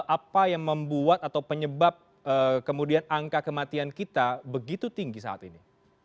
apa yang membuat atau penyebab kemudian angka kematian kita begitu tinggi saat ini